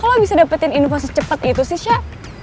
kok lo bisa dapetin info secepet itu sih syah